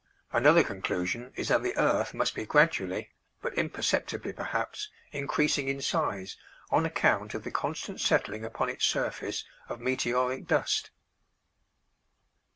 Another conclusion is that the earth must be gradually, but imperceptibly perhaps, increasing in size on account of the constant settling upon its surface of meteoric dust.